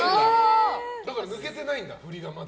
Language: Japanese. だから、抜けてないんだ振りが。